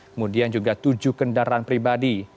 kemudian juga tujuh kendaraan pribadi